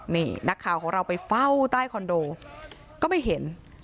นี่นักข่าวของเราไปเฝ้าใต้คอนโดก็ไม่เห็น